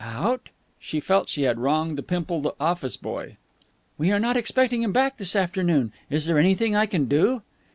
"Out!" She felt she had wronged the pimpled office boy. "We are not expecting him back this afternoon. Is there anything I can do?"